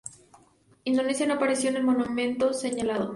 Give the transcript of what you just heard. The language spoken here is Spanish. Indonesia no apareció en el momento señalado.